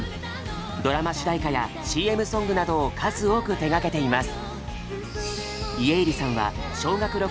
ドラマ主題歌やＣＭソングなどを数多く手がけています。